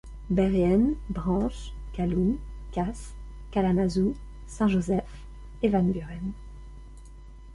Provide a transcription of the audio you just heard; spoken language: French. Berrien, Branch, Calhoun, Cass, Kalamazoo, Saint Joseph et Van Buren.